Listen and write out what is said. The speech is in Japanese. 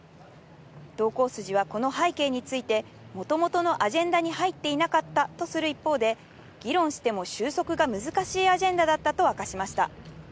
同行筋はこの背景について、もともとのアジェンダに入っていなかったとする一方で、議論しても収束が難しいアジェンダだったと明かしました。